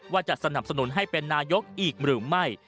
ว่าจะสนับสนุนให้เป็นนายกอีกหรือไม่